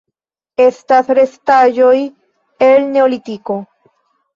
Estas restaĵoj el Neolitiko.